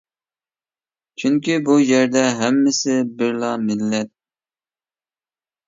چۈنكى بۇ يەردە ھەممىسى بىرلا مىللەت.